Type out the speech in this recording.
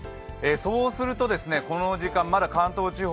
そうするとこの時間まだ関東地方